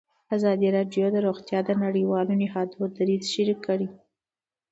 ازادي راډیو د روغتیا د نړیوالو نهادونو دریځ شریک کړی.